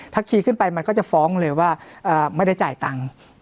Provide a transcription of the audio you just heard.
ถ้าขี่ขึ้นไปมันก็จะฟ้องเลยว่าไม่ได้จ่ายตังค์